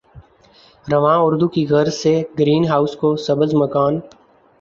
رواں اردو کی غرض سے گرین ہاؤس کو سبز مکان